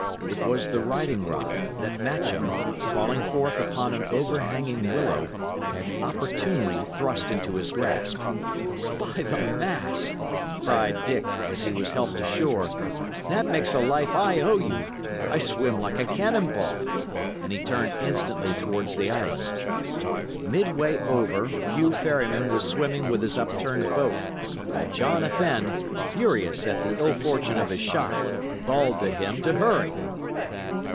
It was the riding rod, that Matcham, crawling forth upon an overhanging willow, had opportunely thrust into his grasp. "By the mass!" cried Dick, as he was helped ashore, "that makes a life I owe you. I swim like a cannon ball." And he turned instantly towards the island. Midway over, Hugh Ferryman was swimming with his upturned boat, while John a Fenne, furious at the ill fortune of his shot, bawled to him to hurry.